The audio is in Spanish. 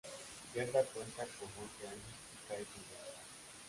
Gerda cuenta con once años y Kay con doce.